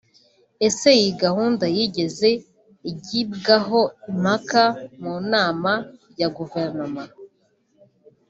Ese iyi gahunda yigeze igibwaho impaka mu nama ya guverinoma